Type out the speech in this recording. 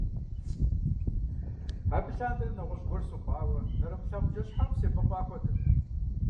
Абы лъандэрэ нэгъуэщӀ гуэр сыхъуауэ, нэрымылъагъу бжэщхьэӀум себэкъуа хуэдэт.